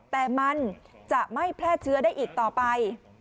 แต่มันจะไม่แพร่เชื้อได้อีกต่อไป